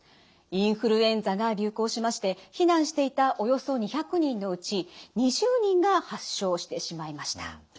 インフルエンザが流行しまして避難していたおよそ２００人のうち２０人が発症してしまいました。